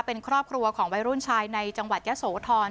เป็นครอบครัวของวัยรุ่นชายในจังหวัดยะโสธร